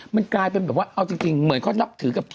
มันกลายเป็นแบบว่าเอาจริงเหมือนเขานับถือกับ